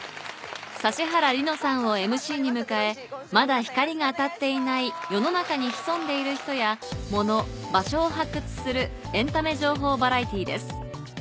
指原莉乃さんをＭＣに迎えまだ光が当たっていない世の中に潜んでいる人や物場所を発掘するエンタメ情報バラエティーです